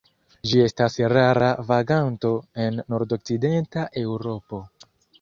Ĝi estas rara vaganto en nordokcidenta Eŭropo.